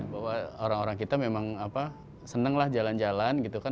bahwa orang orang kita memang seneng lah jalan jalan gitu kan